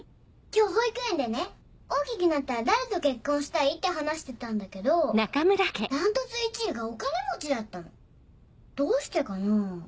今日保育園でね大きくなったら誰と結婚したいって話してたんだけど断トツ１位がお金持ちだったのどうしてかな？